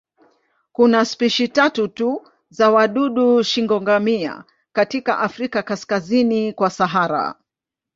Kuna spishi tatu tu za wadudu shingo-ngamia katika Afrika kaskazini kwa Sahara.